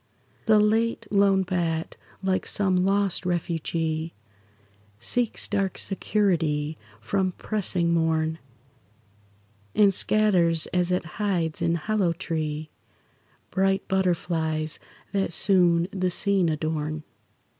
The late, lone bat, like some lost refugee, Seeks dark security from pressing morn, And scatters, as it hides in hollow tree, Bright butterflies that soon the scene adorn.